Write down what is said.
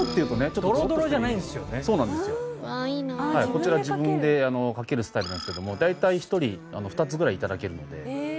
こちら自分でかけるスタイルなんですけども大体一人２つぐらい頂けるのでかなり濃厚です。